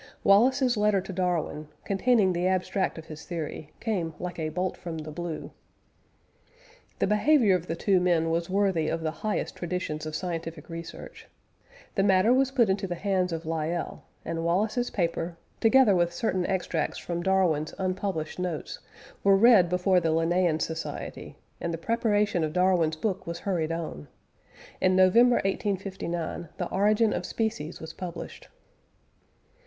Wallace's letter to Darwin, containing the abstract of his theory, came "like a bolt from the blue." The behaviour of the two men was worthy of the highest traditions of scientific research. The matter was put into the hands of Lyell, and Wallace's paper, together with certain extracts from Darwin's unpublished notes, were read before the Linnean Society, and the preparation of Darwin's book was hurried on. In November, 1859, The Origin of Species was published.